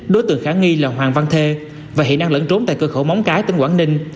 đối tượng khả nghi là hoàng văn thê và hiện đang lẫn trốn tại cơ khẩu móng cái tỉnh quảng ninh